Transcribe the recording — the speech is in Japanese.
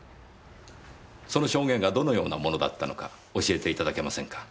その証言がどのようなものだったのか教えていただけませんか？